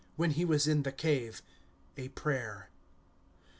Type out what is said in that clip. When he was in tho cave. A prayer.